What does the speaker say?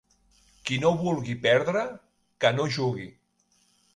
Qui no vulgui perdre que no jugui.